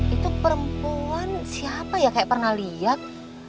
itu perempuan siapa ya kayak pernah lihat